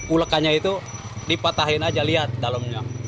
ulekannya itu dipatahin aja lihat dalamnya